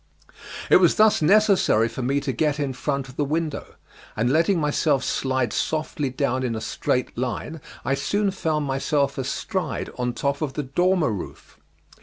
It was thus necessary for me to get in front of the window, and letting myself slide softly down in a straight line I soon found myself astride on top of the dormer roof.